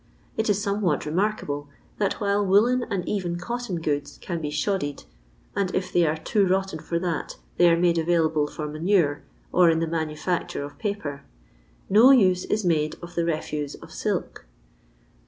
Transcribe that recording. It is somewhat remarkable, that while woollen and even cotton goods can be "shoddied" — and if they are too rotten for that, they are made available for manure, or in the manufiicture of paper — ^ne use is made of the refuse of silk.